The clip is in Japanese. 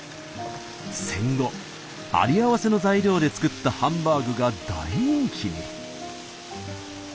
戦後有り合わせの材料で作ったハンバーグが大人気に。